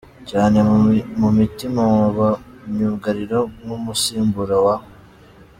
cyane mu mutima wa ba myugariro nk’umusimbura wa